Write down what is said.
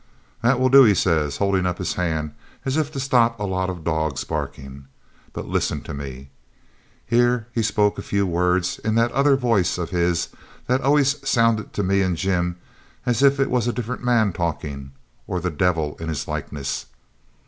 'That will do,' he says, holding up his hand as if to stop a lot of dogs barking; 'but listen to me.' Here he spoke a few words in that other voice of his that always sounded to me and Jim as if it was a different man talking, or the devil in his likeness.